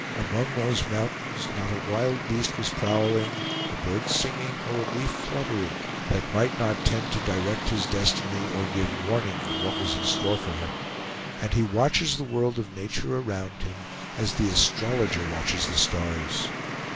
Among those mountains not a wild beast was prowling, a bird singing, or a leaf fluttering, that might not tend to direct his destiny or give warning of what was in store for him; and he watches the world of nature around him as the astrologer watches the stars.